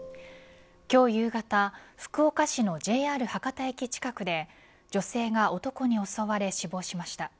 今日夕方福岡市のＪＲ博多駅近くで女性が男に襲われ死亡しました。